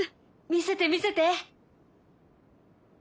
見せて見せて。